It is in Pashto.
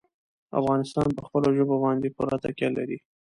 افغانستان په خپلو ژبو باندې پوره تکیه لري.